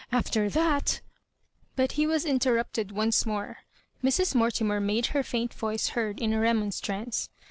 After tha t " But he was interrupted once more. Mrs. Mortimer made her faint voice heard in a re monstrance.